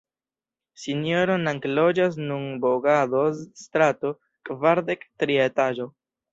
Sinjoro Nang loĝas nun Bogadoz-strato kvardek, tria etaĝo.